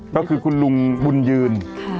ก็คือคุณลุงบุญยืน